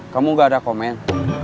kamu gak ada komen